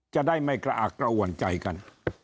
จะได้ไม่กระอักกระวนใจกัน